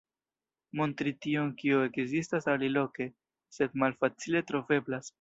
Montri tion kio ekzistas aliloke, sed malfacile troveblas.